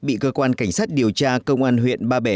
bị cơ quan cảnh sát điều tra công an huyện ba bể